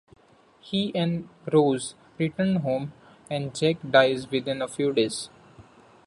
He and Rose return home, and Jack dies within a few days.